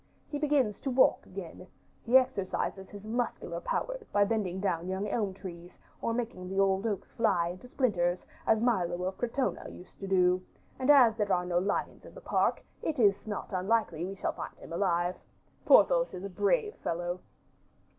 He begins to walk again, he exercises his muscular powers by bending down young elm trees, or making the old oaks fly into splinters, as Milo of Crotona used to do; and, as there are no lions in the park, it is not unlikely we shall find him alive. Porthos is a brave fellow."